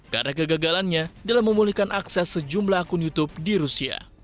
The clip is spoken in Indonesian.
karena kegagalannya dalam memulihkan akses sejumlah akun youtube di rusia